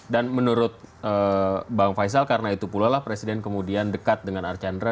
dan menurut bang faisal karena itu pula lah presiden kemudian dekat dengan arcandra